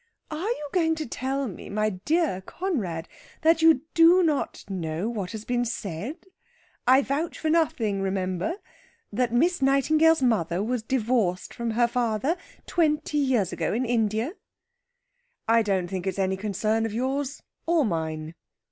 "Are you going to tell me, my dear Conrad, that you do not know that it has been said I vouch for nothing, remember that Miss Nightingale's mother was divorced from her father twenty years ago in India?" "I don't think it's any concern of yours or mine."